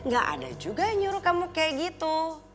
gak ada juga yang nyuruh kamu kayak gitu